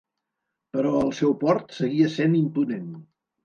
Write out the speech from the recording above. Però el seu port seguia sent imponent.